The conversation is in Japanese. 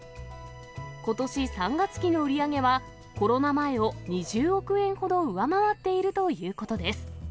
ことし３月期の売り上げは、コロナ前を２０億円ほど上回っているということです。